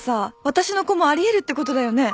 私の子もあり得るってことだよね？